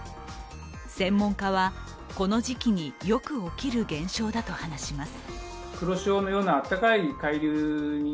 専門家は、この時期によく起きる現象だと話します。